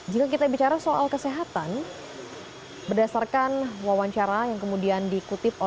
jika kita bicara soal kesehatan berdasarkan wawancara yang kemudian dikutip